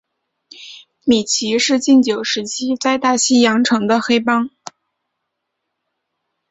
米奇是禁酒时期在大西洋城的黑帮。